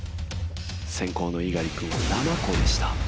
先攻の猪狩君は７個でした。